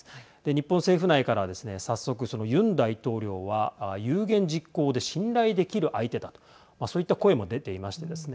日本政府内からはですね早速、ユン大統領は有言実行で信頼できる相手だとそういった声も出ていましてですね